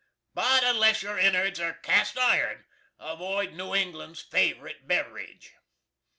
But unless your inards air cast iron, avoid New England's favorite Bevrige.